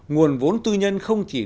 nguồn vốn tư nhân không chỉ